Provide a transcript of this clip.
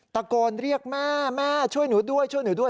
ตะโกนเรียกแม่แม่ช่วยหนูด้วยช่วยหนูด้วย